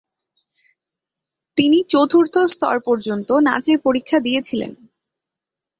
তিনি চতুর্থ স্তর পর্যন্ত নাচের পরীক্ষা দিয়েছিলেন।